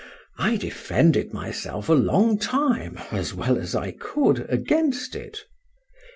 I defended myself a long time as well as I could against it.